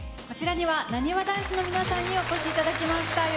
こちらには、なにわ男子の皆さんにお越しいただきました。